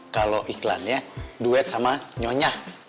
kalau iklannya duet sama nyonya